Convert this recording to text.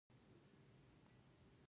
دوی نور نو د هغوی په منځ کې ځای نه لري.